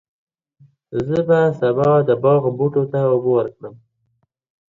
زه به سبا د باغ بوټو ته اوبه ورکړم.